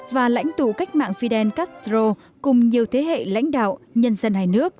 và lãnh thủ cách mạng fidel castro cùng nhiều thế hệ lãnh đạo nhân dân hải nước